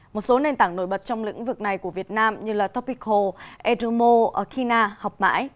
một số nền tảng nổi bật trong lĩnh vực này của việt nam như topical edumo kina học mãi